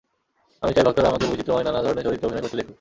আমি চাই, ভক্তরা আমাকে বৈচিত্র্যময় নানা ধরনের চরিত্রে অভিনয় করতে দেখুক।